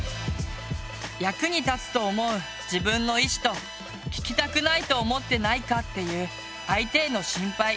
役に立つと思う「自分の意思」と聞きたくないと思ってないかっていう「相手への心配」